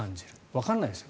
わからないですよ